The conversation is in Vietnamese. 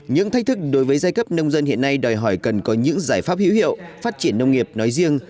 những thách thức đối với giai cấp nông dân hiện nay đòi hỏi cần có những giải pháp hữu hiệu phát triển nông nghiệp nói riêng